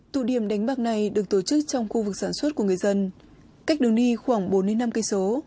tụ điểm đánh bạc này được tổ chức trong khu vực sản xuất của người dân cách đồng y khoảng bốn năm km